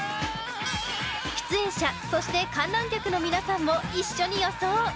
出演者、そして観覧客の皆さんも一緒に予想。